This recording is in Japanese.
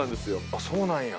あっそうなんや。